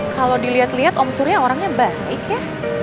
kalau dilihat lihat om surya orangnya baik ya